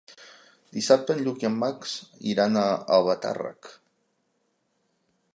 Dissabte en Lluc i en Max iran a Albatàrrec.